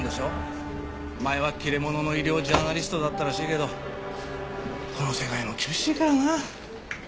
前は切れ者の医療ジャーナリストだったらしいけどこの世界も厳しいからな。